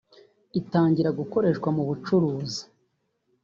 itangira gukoreshwa mu bucuruzi